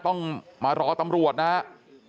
ต้องมารอตำรวจนะครับ